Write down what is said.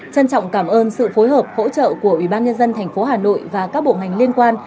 trân trọng cảm ơn sự phối hợp hỗ trợ của ubnd tp hà nội và các bộ ngành liên quan